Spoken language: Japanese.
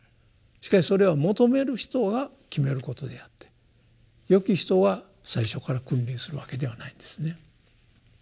しかしそれは求める人が決めることであって「よき人」は最初から君臨するわけではないんですね。